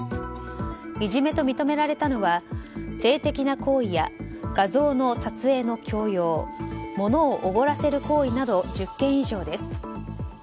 いじめと認められたのは性的な行為や画像の撮影の強要ものをおごらせる行為など１０件以上です。